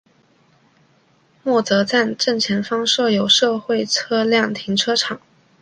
默泽站正前方设有社会车辆停车场。